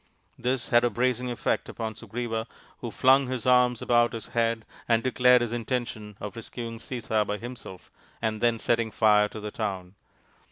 This had a bracing effect upon Sugriva, who flung his arms about his head and declared his intention of rescuing Sita by himself and then setting fire to the town.